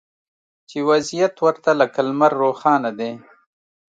چې وضعیت ورته لکه لمر روښانه دی